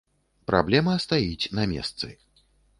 Праблема стаіць на месцы.